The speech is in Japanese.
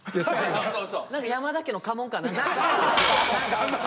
何か山田家の家紋か何か？